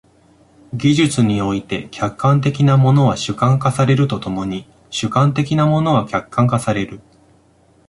技術において、客観的なものは主観化されると共に主観的なものは客観化される。